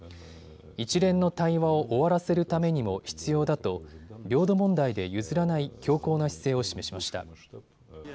一連の対話を終わらせるためにも必要だと領土問題で譲らない強硬な姿勢を示しました。